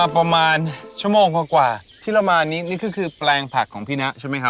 ประมาณชั่วโมงกว่าที่เรามานี้นี่ก็คือแปลงผักของพี่นะใช่ไหมครับ